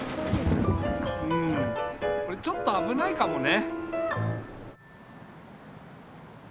うんこれちょっとあぶないかもね。